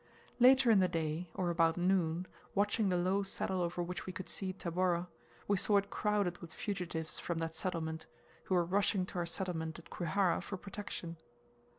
Later in the day, or about noon, watching the low saddle over which we could see Tabora, we saw it crowded with fugitives from that settlement, who were rushing to our settlement at Kwihara for protection.